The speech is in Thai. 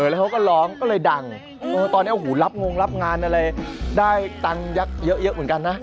แล้วเขาก็ร้องก็เลยดังตอนนี้โอ้โหรับงงรับงานอะไรได้ตังค์ยักษ์เยอะเหมือนกันนะ